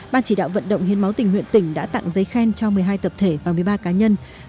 ban chỉ đạo vận động hiến máu tỉnh nguyện tỉnh đã tặng giấy khen cho một mươi hai tập thể và một mươi ba cá nhân